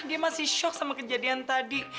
dia masih shock sama kejadian tadi